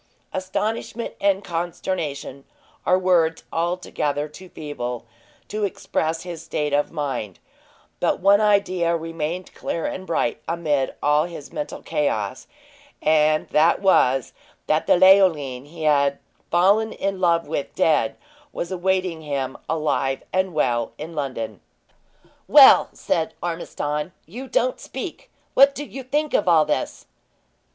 Astonishment and consternation are words altogether too feeble to express his state of mind; but one idea remained clear and bright amid all his mental chaos, and that was, that the Leoline he had fallen in love with dead, was awaiting him, alive and well, in London. "Well," said Ormiston, "you don't speak! What do you think of all this?"